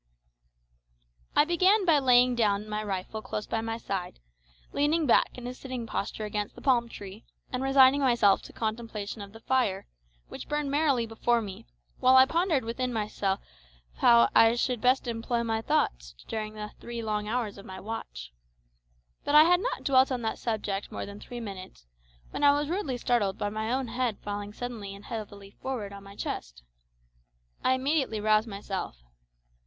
I began by laying down my rifle close by my side, leaning back in a sitting posture against the palm tree, and resigning myself to the contemplation of the fire, which burned merrily before me, while I pondered with myself how I should best employ my thoughts during the three long hours of my watch. But I had not dwelt on that subject more than three minutes, when I was rudely startled by my own head falling suddenly and heavily forward on my chest. I immediately roused myself.